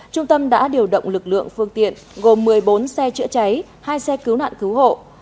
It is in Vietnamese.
trung tâm đã điều động lực lượng phương tiện gồm một mươi bốn xe chữa cháy hai xe cứu nạn cứu hộ